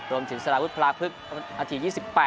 รวมถึงสาระพุทธพลาพฤกษ์นัดที่๒๘